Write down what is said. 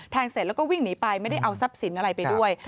เสร็จแล้วก็วิ่งหนีไปไม่ได้เอาทรัพย์สินอะไรไปด้วย